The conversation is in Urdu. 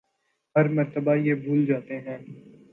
ہر مرتبہ یہ بھول جاتے ہیں